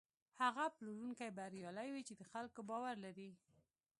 هغه پلورونکی بریالی وي چې د خلکو باور لري.